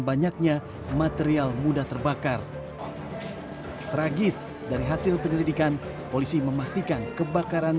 banyaknya material mudah terbakar ragis dari hasil penyelidikan polisi memastikan kebakaran